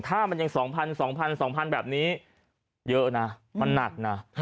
ถ้ามันยัง๒๐๐๒๐๐แบบนี้เยอะนะมันหนักนะ